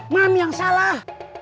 mami yang salah